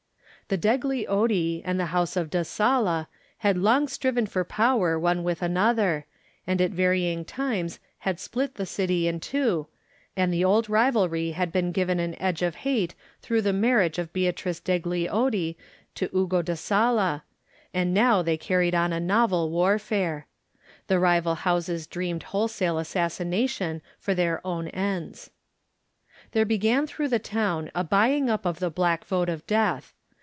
The Degli Oddi and the house of Da Sala had long striven for power one with ahother, and at varying times had split the city in two, and the old rivalry had been given an edge of hate through the marriage of Beatrice degli Oddi to Ugo da Sala, and now they carried on a novel warfare. The rival houses dreamed wholesale assassina tion for their own ends. There began through the town a buying up of the black vote of death.